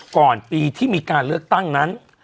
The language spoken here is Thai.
ก่อนปีที่มีการเลือกตั้งนั้น